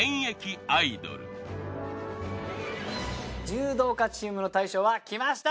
柔道家チームの大将はきました！